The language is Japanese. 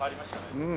うん。